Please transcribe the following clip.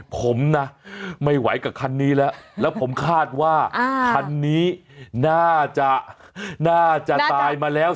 ผมนะไม่ไหวกับคันนี้แล้วแล้วผมคาดว่าคันนี้น่าจะน่าจะตายมาแล้ว